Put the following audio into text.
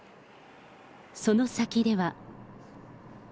その先では。